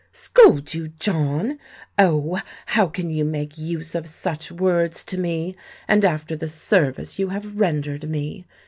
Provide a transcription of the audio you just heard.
"Scold you, John! Oh! how can you make use of such words to me—and after the service you have rendered me?"